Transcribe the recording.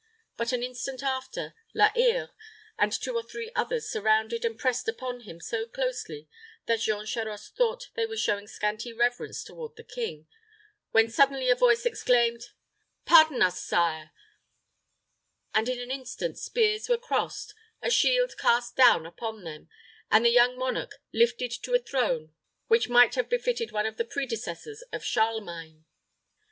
But an instant after, La Hire and two or three others surrounded and pressed upon him so closely, that Jean Charost thought they were showing scanty reverence toward the king, when suddenly a voice exclaimed, "Pardon us, sire;" and in an instant spears were crossed, a shield cast down upon them, and the young monarch lifted to a throne which might have befitted one of the predecessors of Charlemagne.